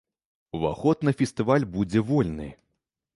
Уваход на фестываль будзе вольны.